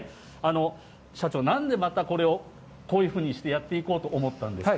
社長、なんでまたこれをこういうふうにしてやっていこうと思ったんです